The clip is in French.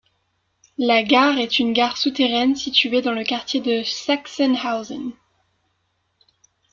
La gare est une gare souterraine située dans le quartier de Sachsenhausen.